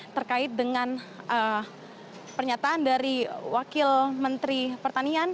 terkait dengan pernyataan dari wakil menteri pertanian